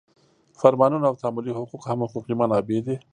فرمانونه او تعاملي حقوق هم حقوقي منابع دي.